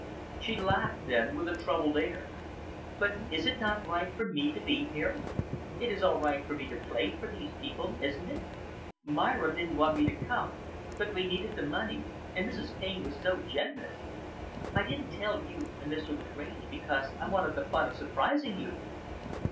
She laughed, then, with a troubled air "But is it not right for me to be here? It is all right for me to play for these people, isn't it? Myra didn't want me to come, but we needed the money, and Mrs. Taine was so generous. I didn't tell you and Mr. Lagrange because I wanted the fun of surprising you."